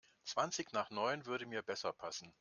Zwanzig nach neun würde mir besser passen.